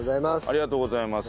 ありがとうございます。